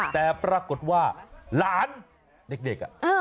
แต่ปรากฏว่าหลานเด็ก